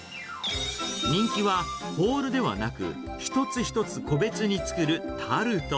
人気はホールではなく、一つ一つ個別に作るタルト。